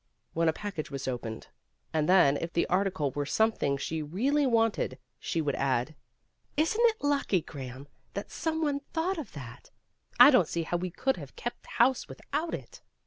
when a package was opened. And then if the article were something she really wanted, she would add, "Isn't it lucky, Graham, that some one thought of that? I don't see how we could have kept house without it."